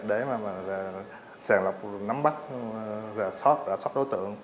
để mà sàn lọc nắm bắt ra soát đối tượng